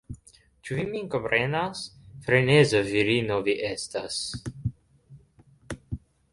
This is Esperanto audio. Ĉu vi min komprenas? Freneza virino vi estas